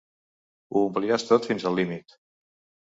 Ho ompliràs tot fins al límit.